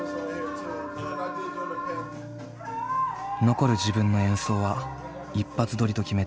残る自分の演奏は一発録りと決めている。